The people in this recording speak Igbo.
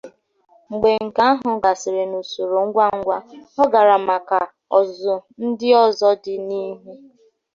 Mgbe nke ahụ gasịrị, n'usoro ngwa ngwa, ọ gara maka ọzụzụ ndị ọzọ di n'ihu.